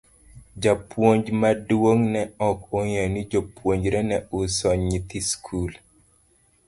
Japuonj maduong' ne ok ong'eyo ni jopuonjre ne uso nyithi skul.